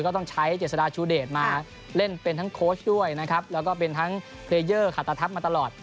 ก็ต้องใช้เจษฎาชูเดชมาเล่นเป็นทั้งโค้ชด้วยนะครับแล้วก็เป็นทั้งเรเยอร์ขาตาทัพมาตลอด